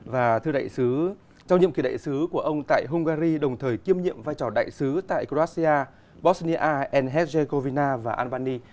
và thưa đại sứ trong nhiệm kỳ đại sứ của ông tại hungary đồng thời kiêm nhiệm vai trò đại sứ tại croatia bosnia herzegovina và albania